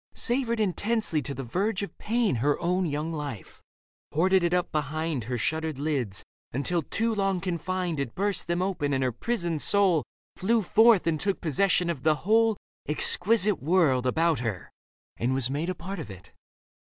Savoured intensely to the verge of pain Her own young life, hoarded it up behind Her shuttered lids, until, too long confined, It burst them open and her prisoned soul Flew forth and took possession of the whole Exquisite world about her and was made A part of it.